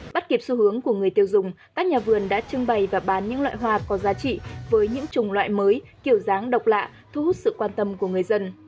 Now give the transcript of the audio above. bắt kịp xu hướng của người tiêu dùng các nhà vườn đã trưng bày và bán những loại hoa có giá trị với những chủng loại mới kiểu dáng độc lạ thu hút sự quan tâm của người dân